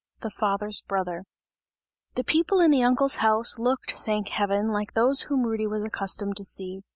III. THE FATHER'S BROTHER. The people in the uncle's house, looked, thank heaven, like those whom Rudy was accustomed to see.